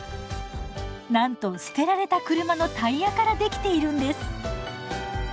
なんと捨てられた車のタイヤからできているんです！